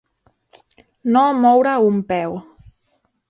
No moure un peu.